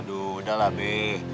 aduh udahlah bi